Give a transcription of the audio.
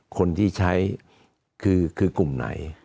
คนที่ใช้คือกลุ่มไหน